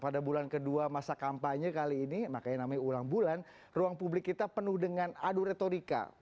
pada bulan kedua masa kampanye kali ini makanya namanya ulang bulan ruang publik kita penuh dengan adu retorika